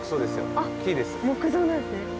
あっ木造なんですね。